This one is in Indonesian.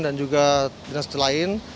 dan juga dinas lain